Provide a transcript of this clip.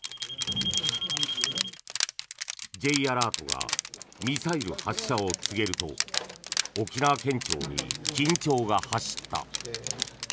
Ｊアラートがミサイル発射を告げると沖縄県庁に緊張が走った。